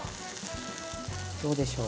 どうでしょう。